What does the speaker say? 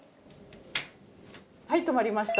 はい留まりました。